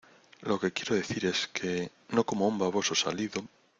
lo que quiero decir es que... no como a un baboso salido,